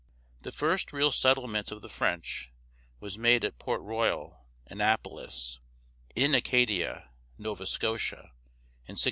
The first real settlement of the French was made at Port Royal (Annapolis), in Acadia (Nova Scotia), in 1604.